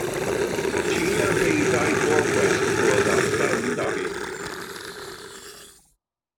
Tŷ a beudai to gwellt oedd ar fferm Dafydd.